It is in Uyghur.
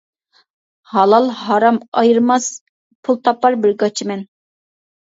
ھالال-ھارام ئايرىماس پۇل تاپار بىر گاچىمەن.